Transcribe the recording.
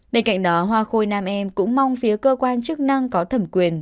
bên cạnh đó hoa khôi nam em cũng mong phía cơ quan chức năng có thẩm quyền